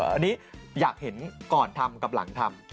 อันนี้อยากเห็นก่อนทำกับหลังทำ